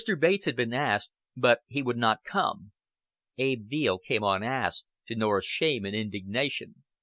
Bates had been asked, but he would not come. Abe Veale came unasked, to Nora's shame and indignation.